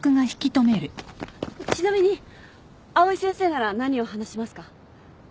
ちなみに藍井先生なら何を話しますか？